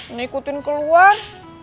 ini ikutin keluar